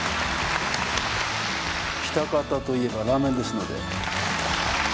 喜多方といえばラーメンですので。